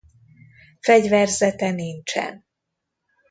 Fegyverzete nincsen.